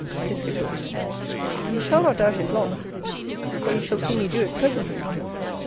Piscator. You shall not doubt it long; for you shall see me do it presently.